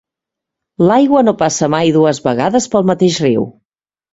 L'aigua no passa mai dues vegades pel mateix riu.